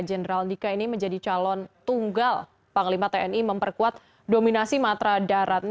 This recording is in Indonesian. jenderal andika ini menjadi calon tunggal panglima tni memperkuat dominasi matra darat